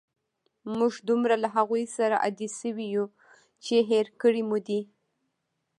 موږ دومره له هغوی سره عادی شوي یو، چې هېر کړي مو دي.